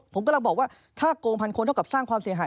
ผมกำลังบอกว่าถ้าโกงพันคนเท่ากับสร้างความเสียหาย